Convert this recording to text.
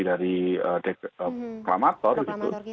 dari proklamator gitu